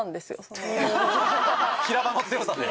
平場の強さで？